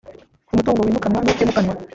umutungo wimukanwa n utimukanwa